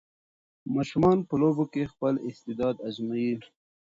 ماشومان په لوبو کې خپل استعداد ازمويي.